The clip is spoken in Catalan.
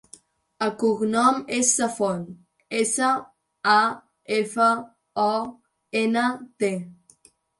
El cognom és Safont: essa, a, efa, o, ena, te.